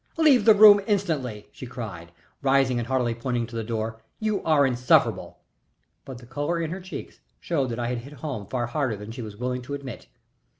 "Leave the room instantly!" she cried, rising and haughtily pointing to the door. "You are insufferable." But the color in her cheeks showed that I had hit home far harder than she was willing to admit.